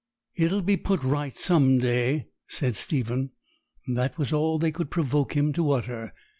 'It'll be put right some day,' said Stephen; and that was all they could provoke him to utter.